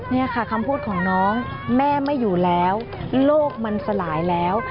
นี่ค่ะคำพูดของน้องแม่ไม่อยู่แล้วโลกมันสลายแล้ว